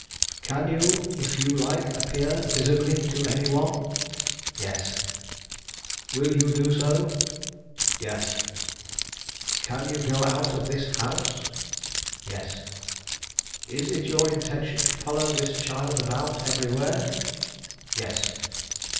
"Can you, if you like, appear visibly to any one?" "Yes." "Will you do so?" "Yes." "Can you go out of this house?" "Yes." "Is it your intention to follow this child about everywhere?" "Yes."